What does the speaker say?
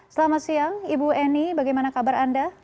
selamat siang ibu eni bagaimana kabar anda